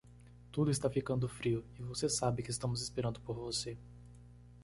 Tudo está ficando frio e você sabe que estamos esperando por você.